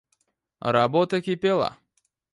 Работа кипела.